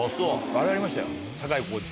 あれありましたよ。